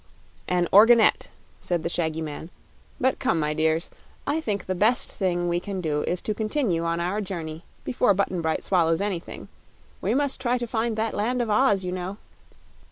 "An organette," said the shaggy man. "But come, my dears; I think the best thing we can do is to continue on our journey before Button Bright swallows anything. We must try to find that Land of Oz, you know."